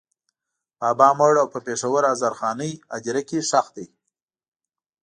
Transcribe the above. بابا مړ او په پېښور هزارخانۍ هدېره کې ښخ دی.